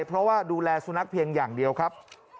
เพราะว่าดูแลสุนัขเพียงอย่างเดียวครับ